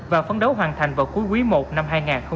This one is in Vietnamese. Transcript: và phấn đấu hoàn thành vào cuối quý i năm hai nghìn hai mươi